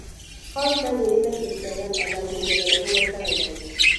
ښځو ته د علم استعداد الله ورکړی دی.